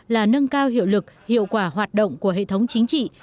là nâng cao hiệu lực hiệu quả hoạt động của hệ thống chính trị